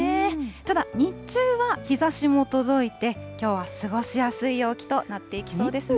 ただ日中は日ざしも届いて、きょうは過ごしやすい陽気となっていきそうですね。